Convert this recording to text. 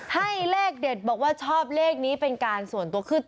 ให้เลขเด็ดบอกว่าชอบเลขนี้เป็นการส่วนตัวขึ้น